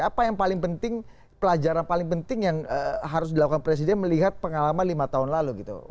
apa yang paling penting pelajaran paling penting yang harus dilakukan presiden melihat pengalaman lima tahun lalu gitu